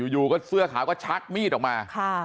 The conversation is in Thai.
อยู่ก็เสื้อขาวก็ชักมีดออกมา